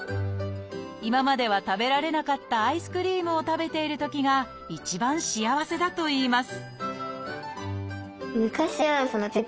今までは食べられなかったアイスクリームを食べているときが一番幸せだといいます